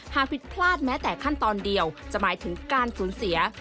หากผิดพลาดแม้แต่ขั้นตอนเดียวจะหมายถึงการสูญเสีย